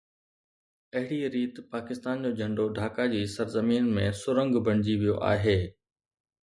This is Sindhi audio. اهڙيءَ ريت پاڪستان جو جهنڊو ڍاڪا جي سرزمين ۾ سرنگهه بڻجي ويو آهي